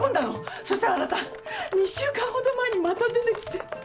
そしたらあなた２週間ほど前にまた出てきて。